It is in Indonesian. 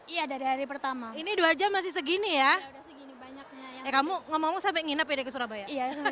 iya dari hari pertama ini dua jam masih segini ya kamu ngomong sampai nginep ya ke surabaya